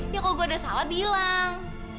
ya kalau gue udah salah bilang